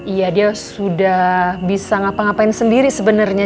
iya dia sudah bisa ngapa ngapain sendiri sebenarnya